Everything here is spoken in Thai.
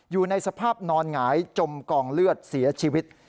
อยู่ในสภาพนอนหงายจมกองเลือดเสียชีวิต